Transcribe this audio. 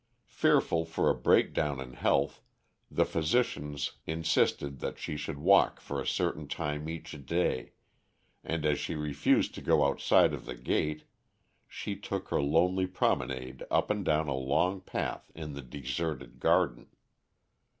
Fearful for a breakdown in health, the physicians insisted that she should walk for a certain time each day, and as she refused to go outside of the gate, she took her lonely promenade up and down a long path in the deserted garden.